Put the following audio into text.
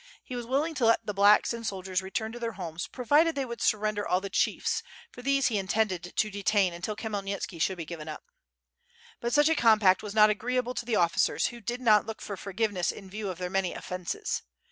He was willing to let the "blacks^' and soldiers return to their homes, provided they would surrender all the chiefs, for these he in tended to detain until Khmyelnitski should be given up. But such a compact was not agreeable to the officers, who did not look for forgiveness in view of their many offences.